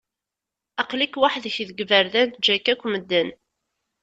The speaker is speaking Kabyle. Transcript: Aql-ik weḥd-k deg iberdan, ǧǧan-k akk medden.